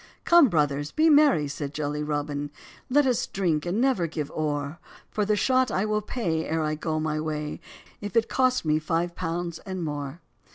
"Come, 'brothers,' be merry," said jolly Robin, "Let us drink, and never give ore; For the shot I will pay, ere I go my way, If it cost me five pounds and more."